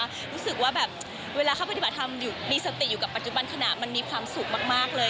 รู้สึกว่าแบบเวลาเขาปฏิบัติธรรมมีสติอยู่กับปัจจุบันขณะมันมีความสุขมากเลย